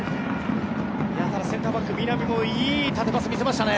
センターバック、南もいい縦パスを見せましたね。